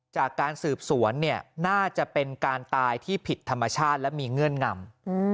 จากการสืบสวนเนี่ยน่าจะเป็นการตายที่ผิดธรรมชาติและมีเงื่อนงำ